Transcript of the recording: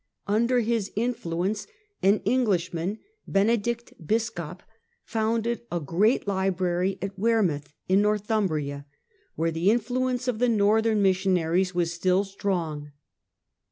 Under his influence an Englishman, Benedict Biscop, founded a great library at Wearmouth, in Northumbria, where the influence of the northern missionaries was still strong.